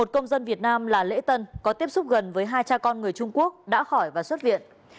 một công dân việt nam là lễ tân có tiếp xúc gần với hai cha con người trung quốc đã khỏi và xuất viện